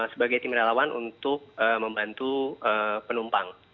sebagai tim relawan untuk membantu penumpang